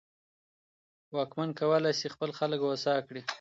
واکمن کولای سي خپل خلګ هوسا کړي.